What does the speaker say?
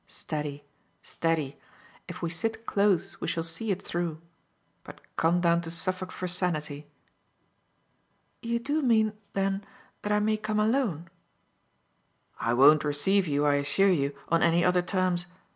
"Steady, steady; if we sit close we shall see it through. But come down to Suffolk for sanity." "You do mean then that I may come alone?" "I won't receive you, I assure you, on any other terms.